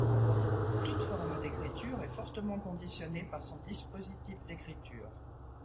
Toute forme d'écriture est fortement conditionnée par son dispositif d'écriture.